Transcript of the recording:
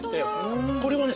これはね